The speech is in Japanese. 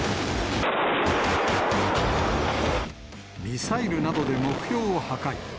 ミサイルなどで目標を破壊。